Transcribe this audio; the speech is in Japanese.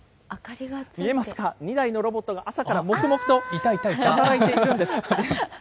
見えますか、２台のロボットが朝から黙々と働いているんです。